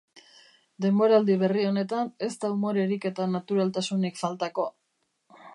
Denboraldi berri honetan ez da umorerik eta naturaltasunik faltako.